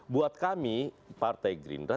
buat kami partai gerindra